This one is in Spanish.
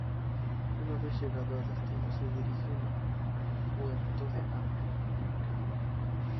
Una vez llegados a destino, se dirigen al puerto de Arica.